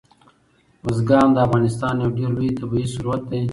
بزګان د افغانستان یو ډېر لوی طبعي ثروت دی.